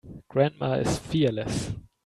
Grandma is fearless.